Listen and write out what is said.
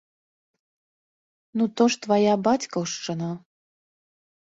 Ну, то ж твая бацькаўшчына.